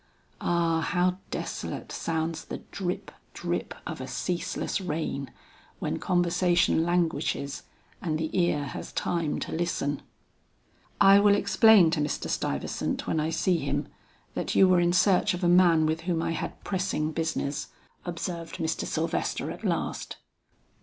Ah, how desolate sounds the drip, drip of a ceaseless rain, when conversation languishes and the ear has time to listen! "I will explain to Mr. Stuyvesant when I see him, that you were in search of a man with whom I had pressing business," observed Mr. Sylvester at last.